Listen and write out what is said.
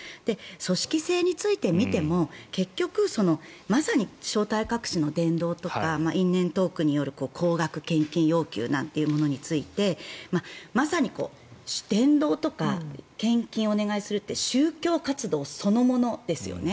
組織性について見ても結局、まさに正体隠しの伝道とか因縁トークによる高額献金要求などについてまさに伝道とか献金をお願いするって宗教活動そのものですよね。